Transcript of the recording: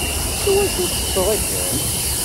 Iwacu teṭṭseḍ akken?